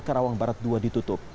karawang barat dua ditutup